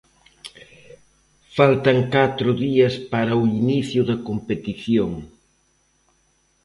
Faltan catro días para o inicio da competición.